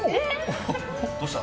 どうした？